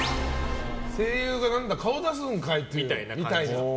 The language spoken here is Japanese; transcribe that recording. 声優が顔出すんかいみたいな。